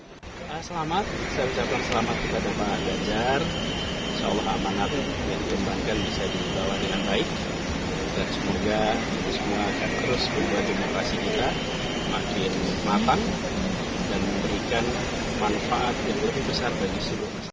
anis berharap dengan pencalonan ganjar pranowo tersebut akan membuat demokrasi di indonesia semakin matang dan memberikan manfaat bagi seluruh masyarakat